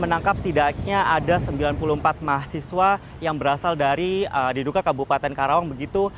menangkap setidaknya ada sembilan puluh empat mahasiswa yang berasal dari diduga kabupaten karawang begitu